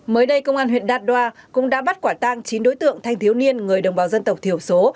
mới đây công an huyện đạt đoa cũng đã bắt quả tang chín đối tượng thanh thiếu niên người đồng bào dân tộc thiểu số